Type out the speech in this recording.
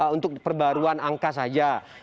untuk perbaruan angka saja